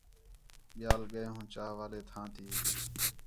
ٻِیال ڳئے ہوں چاہ والے تھاں تی